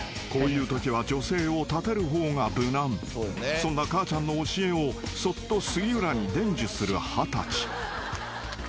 ［そんな母ちゃんの教えをそっと杉浦に伝授する二十歳］